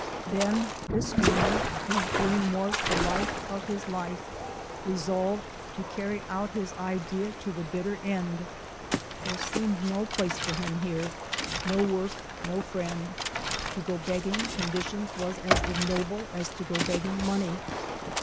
Then this dreamer, whose dream was the life of his life, resolved to carry out his idea to the bittar end. There seemed no place for him here, — no work, no friend. To go begging conditions was as ignoble as to go begging money.